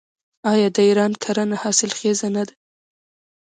آیا د ایران کرنه حاصلخیزه نه ده؟